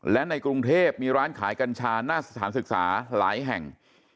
และในกรุงเทพมีร้านขายกัญชาหน้าสถานศึกษาหลายแห่ง